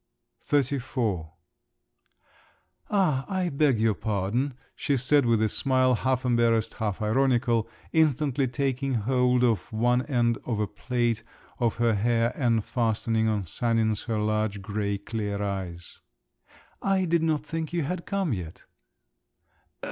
XXXIV "Ah, I beg your pardon!" she said with a smile half embarrassed, half ironical, instantly taking hold of one end of a plait of her hair and fastening on Sanin her large, grey, clear eyes. "I did not think you had come yet."